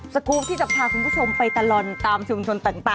กรูปที่จะพาคุณผู้ชมไปตลอดตามชุมชนต่าง